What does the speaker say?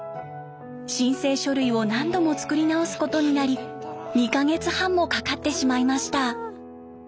申請書類を何度も作り直すことになり２か月半もかかってしまいました。